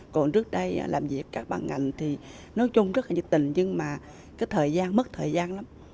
còn trước đây làm việc các bàn ngành thì nói chung rất là nhiệt tình nhưng mà cái thời gian mất thời gian lắm